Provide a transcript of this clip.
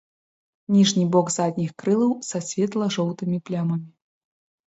Ніжні бок задніх крылаў са светла-жоўтымі плямамі.